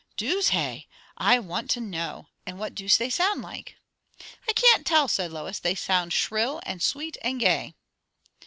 "Doos, hey? I want to know! And what doos they sound like?" "I can't tell," said Lois. "They sound shrill, and sweet, and gay."